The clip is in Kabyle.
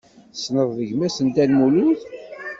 Tessneḍ gma-s n Dda Lmulud?